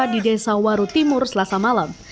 di desa waru timur selasa malam